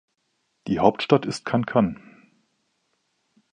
Die Hauptstadt ist Kankan.